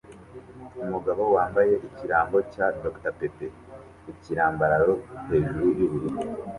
Umugabo wambaye ikirango cya Dr Pepper ikirambararo hejuru yubururu